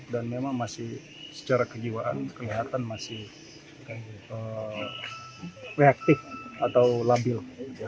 dan memang masih secara kejiwaan kelihatan masih reaktif atau labil